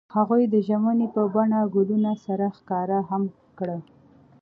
هغوی د ژمنې په بڼه ګلونه سره ښکاره هم کړه.